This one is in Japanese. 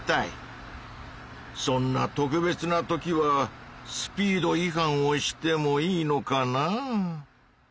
そんな特別な時はスピードい反をしてもいいのかなぁ。